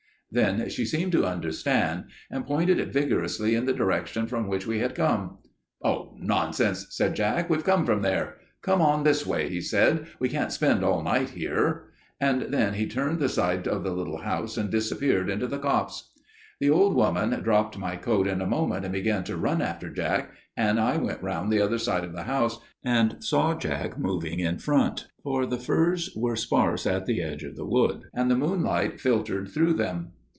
"Then she seemed to understand, and pointed vigorously in the direction from which we had come. "'Oh! nonsense,' said Jack, 'we've come from there. Come on this way,' he said, 'we can't spend all night here.' And then he turned the side of the little house and disappeared into the copse. "The old woman dropped my coat in a moment, and began to run after Jack, and I went round the other side of the house and saw Jack moving in front, for the firs were sparse at the edge of the wood, and the moonlight filtered through them.